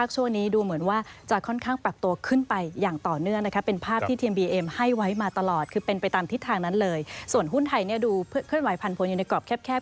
ส่วนหุ้นไทยนี่ดูขึ้นไว้พันธุ์ผู้ในกรอบแคบ